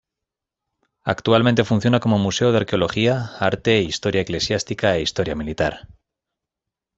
Actualmente funciona como museo de arqueología, arte, historia eclesiástica e historia militar.